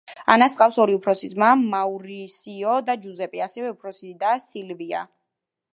ანას ჰყავს ორი უფროსი ძმა მაურისიო და ჯუზეპე, ასევე უფროსი და სილვია.